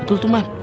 betul tuh man